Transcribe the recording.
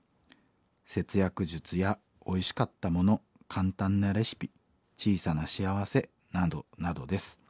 節約術やおいしかったもの簡単なレシピ小さな幸せなどなどです。